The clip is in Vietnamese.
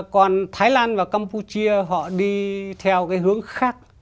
còn thái lan và campuchia họ đi theo cái hướng khác